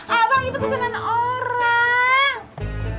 abang itu pesenan orang